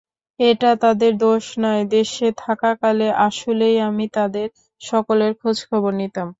এটা তাদের দোষ নয়, দেশে থাকাকালে আসলেই আমি তাদের সকলের খোঁজখবর নিতাম।